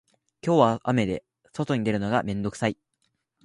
今日は雨で外に出るのが面倒くさい